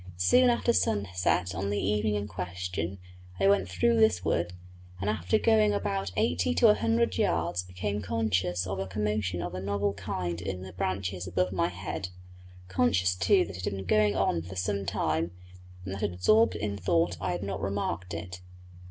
Soon after sunset on the evening in question I went through this wood, and after going about eighty to a hundred yards became conscious of a commotion of a novel kind in the branches above my head conscious too that it had been going on for some time, and that absorbed in thought I had not remarked it.